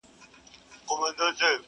له دې غمه همېشه یمه پرېشانه؛